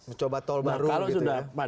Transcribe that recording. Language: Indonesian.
mencoba tol baru gitu ya